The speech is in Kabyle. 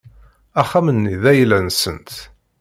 Axxam-nni d ayla-nsent.